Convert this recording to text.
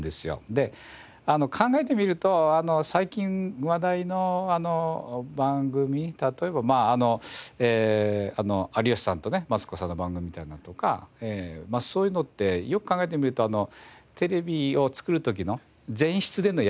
で考えてみると最近話題の番組例えば有吉さんとねマツコさんの番組みたいなのとかそういうのってよく考えてみるとテレビを作る時の前室でのやりとりみたいな感じ。